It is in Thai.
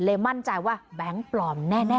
มั่นใจว่าแบงค์ปลอมแน่